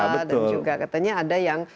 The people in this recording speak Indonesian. dan juga katanya ada yang